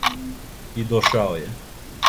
И дошао је.